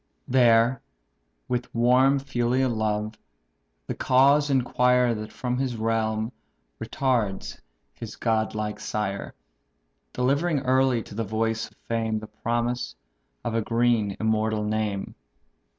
There, warm with filial love, the cause inquire That from his realm retards his god like sire; Delivering early to the voice of fame The promise of a green immortal name."